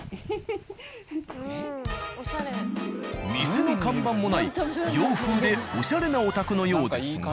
店の看板もない洋風でおしゃれなお宅のようですが。